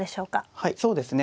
はいそうですね